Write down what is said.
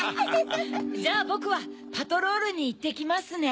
じゃあぼくはパトロールにいってきますね。